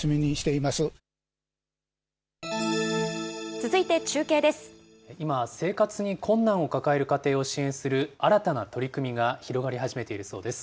続いて、今、生活に困難を抱える家庭を支援する新たな取り組みが広がり始めているそうです。